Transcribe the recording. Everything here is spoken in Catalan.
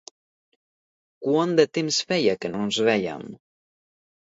Quant de temps feia que no ens vèiem?